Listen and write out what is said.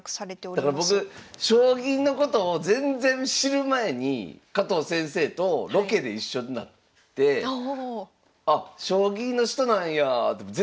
だから僕将棋のことを全然知る前に加藤先生とロケで一緒になってあっ将棋の人なんやって全然知らんから。